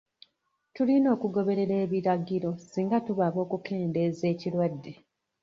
Tulina okugoberera ebiragiro singa tuba ab'okukendeeza ekirwadde.